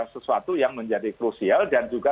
sesuatu yang menjadi krusial dan juga